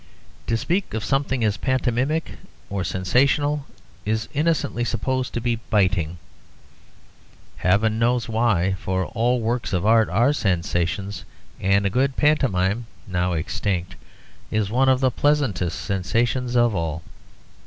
To speak of something as 'pantomimic' or 'sensational' is innocently supposed to be biting, Heaven knows why, for all works of art are sensations, and a good pantomime (now extinct) is one of the pleasantest sensations of all.